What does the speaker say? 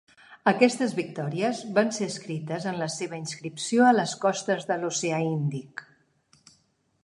Aquestes victòries van ser escrites en la seva inscripció a les costes de l'oceà Índic.